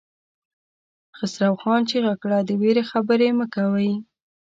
خسرو خان چيغه کړه! د وېرې خبرې مه کوئ!